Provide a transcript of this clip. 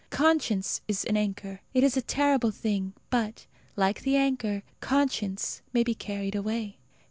Conscience is an anchor. It is a terrible thing, but, like the anchor, conscience may be carried away.